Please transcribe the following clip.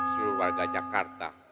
seluruh warga jakarta